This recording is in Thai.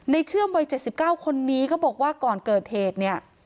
เชื่อมวัย๗๙คนนี้ก็บอกว่าก่อนเกิดเหตุเนี่ย